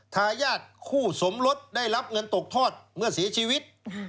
ทายาทคู่สมรสได้รับเงินตกทอดเมื่อเสียชีวิต